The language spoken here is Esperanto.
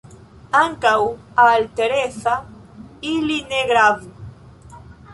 Ankaŭ al Tereza ili ne gravu.